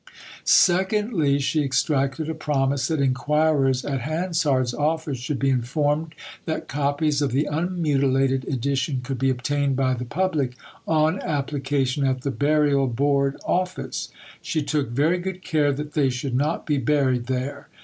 " Secondly, she extracted a promise that inquirers at Hansard's office should be informed that copies of the unmutilated edition could be obtained by the public on application at the Burial Board Office. She took very good care that they should not be buried there.